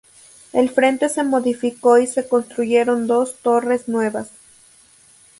El frente se modificó y se construyeron dos torres nuevas.